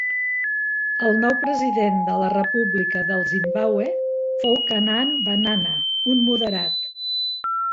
El nou president de la República del Zimbàbue fou Canaan Banana, un moderat.